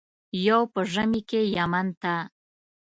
یو په ژمي کې یمن ته.